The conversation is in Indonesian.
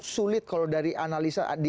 sulit kalau dari analisa